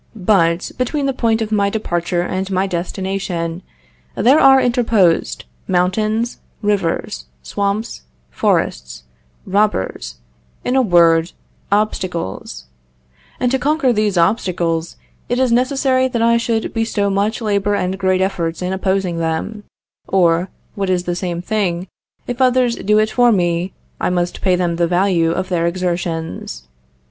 But, between the point of my departure and my destination, there are interposed, mountains, rivers, swamps, forests, robbers in a word, obstacles; and to conquer these obstacles, it is necessary that I should bestow much labor and great efforts in opposing them; or, what is the same thing, if others do it for me, I must pay them the value of their exertions.